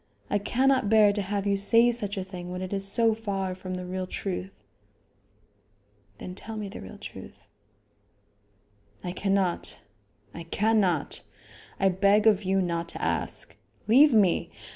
I cannot bear to have you say such a thing when it is so far from the real truth." "Then tell me the real truth." "I cannot; I cannot. I beg of you not to ask. Leave me!